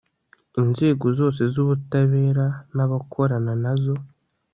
inzego zose z'ubutabera n'abakorana nazo